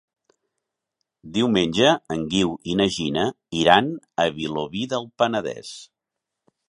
Diumenge en Guiu i na Gina iran a Vilobí del Penedès.